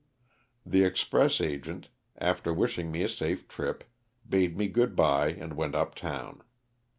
The express agent, after wishing me a safe trip, bade me good bye and went up town.